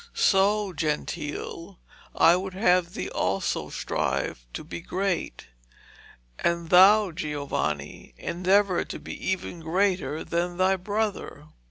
So, Gentile, I would have thee also strive to be great; and thou, Giovanni, endeavour to be even greater than thy brother.'